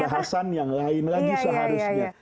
itu pembahasan yang lain lagi seharusnya